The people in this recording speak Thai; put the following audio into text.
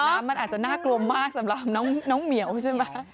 การอาบน้ำมันอาจจะน่ากลัวมากสำหรับน้องเหมียวใช่ไหม